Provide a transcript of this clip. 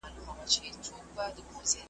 د پیر زیارت ته خیراتونه راځي .